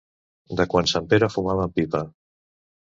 De quan sant Pere fumava amb pipa.